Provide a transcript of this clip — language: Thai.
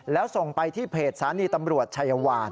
แล้วส่งไปที่เพจสถานีตำรวจชัยวาน